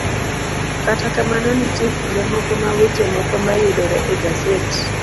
Kata kamano, nitie kinde moko ma weche moko mayudore e gaset